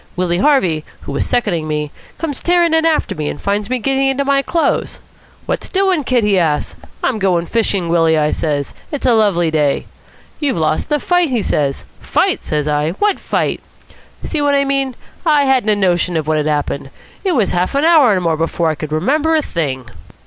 Willie Harvey, who was seconding me, comes tearing in after me, and finds me getting into my clothes. 'What's doing, Kid?' he asks. 'I'm going fishin', Willie,' I says. 'It's a lovely day.' 'You've lost the fight,' he says. 'Fight?' says I. 'What fight?' See what I mean? I hadn't a notion of what had happened. It was a half an hour and more before I could remember a thing."